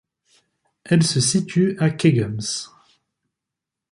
Elle se situe à Ķegums.